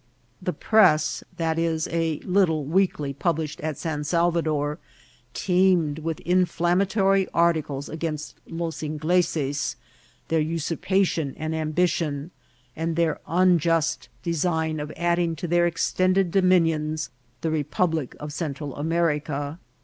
The press,!, e., a little weekly published at San Salvador, teemed with inflam matory articles against los Ingleses, their usurpation and ambition, and their unjust design of adding to their extended dominions the republic of Central America.